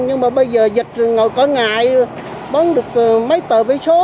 nhưng mà bây giờ dịch ngồi cõi ngại bán được mấy tờ vé số